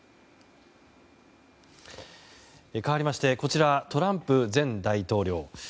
かわりましてこちらはトランプ前大統領。